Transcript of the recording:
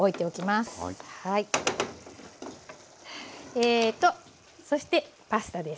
えっとそしてパスタです。